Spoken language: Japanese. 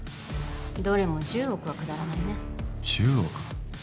どれも１０億はくだらないね１０億？